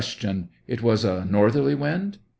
It was a northerly wind